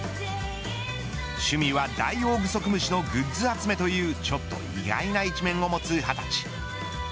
趣味は、ダイオウグソクムシのグッズ集めというちょっと意外な一面を持つ二十歳。